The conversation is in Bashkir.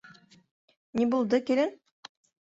Ни булды, килен?